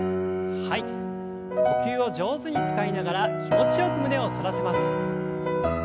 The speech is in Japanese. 呼吸を上手に使いながら気持ちよく胸を反らせます。